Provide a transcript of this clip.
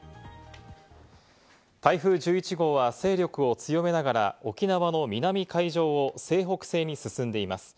台風１１号は勢力を強めながら、沖縄の南海上を西北西に進んでいます。